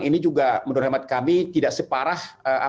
ini juga menurut hemat kami tidak separah